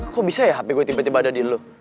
kok bisa ya hp gue tiba tiba ada di lu